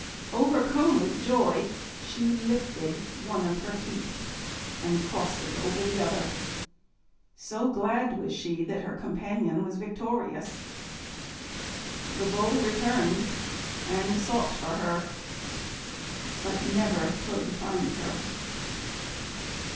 Overcome with joy, she lifted one of her feet, and crossed it over the other, so glad was she that her companion was victorious. The Bull returned and sought for her, but never could find her.